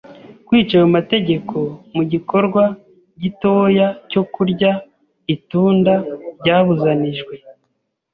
Kwica ayo mategeko mu gikorwa gitoya cyo kurya itunda ryabuzanijwe,